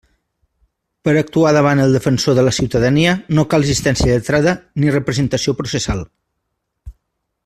Per a actuar davant el Defensor de la Ciutadania no cal assistència lletrada ni representació processal.